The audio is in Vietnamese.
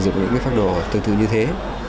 sử dụng những cái pháp đồ tương tự như thế